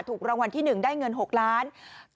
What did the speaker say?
ถูกรางวัลที่๑ได้เงิน๖ล้าน